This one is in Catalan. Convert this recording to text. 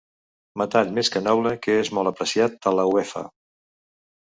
Metall més que noble que és molt apreciat a la Uefa.